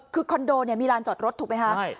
คือคอนโดมีลานจอดรถถูกไหมครับ